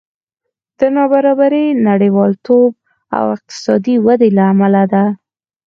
دا نابرابري د نړیوالتوب او اقتصادي ودې له امله ده